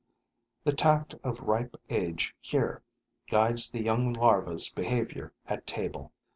The tact of ripe age here guides the young larva's behavior at table.